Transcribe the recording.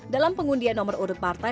dalam pengundian nomor urut partai